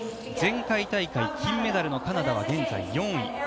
前回大会、金メダルのカナダは現在４位。